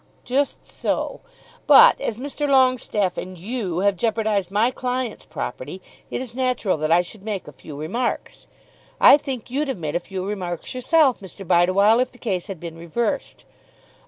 "Just so; but as Mr. Longestaffe and you have jeopardised my client's property it is natural that I should make a few remarks. I think you'd have made a few remarks yourself, Mr. Bideawhile, if the case had been reversed.